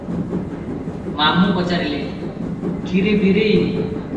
ମାମୁ ପଚାରିଲେ, "କି ରେ ବୀରେଇ!